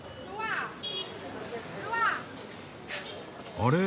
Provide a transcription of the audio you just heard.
あれ？